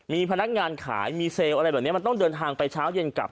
มีพนักงานขายมีเซลล์อะไรแบบนี้มันต้องเดินทางไปเช้าเย็นกลับ